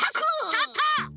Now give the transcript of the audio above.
ちょっと！